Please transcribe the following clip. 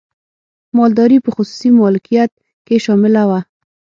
مالداري په خصوصي مالکیت کې شامله وه.